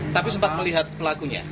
tapi sempat melihat pelakunya